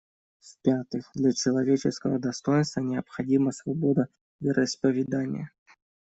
В-пятых, для человеческого достоинства необходима свобода вероисповедания.